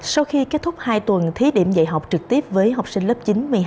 sau khi kết thúc hai tuần thí điểm dạy học trực tiếp với học sinh lớp chín một mươi hai